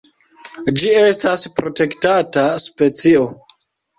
Ĝi estas protektata specio.